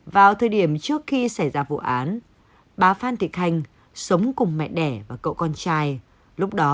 vào thời điểm trước khi xảy ra vụ án bà phan thị thanh sống cùng mẹ đẻ và cậu con trai lúc đó